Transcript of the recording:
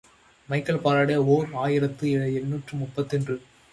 Michael Faraday, ஓர் ஆயிரத்து எண்ணூற்று முப்பத்தொன்று.